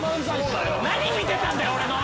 何見てたんだよ俺の！